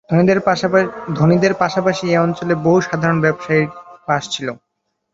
ধনীদের পাশাপাশি এই অঞ্চলে বহু সাধারণ ব্যবসায়ীর বাস ছিল।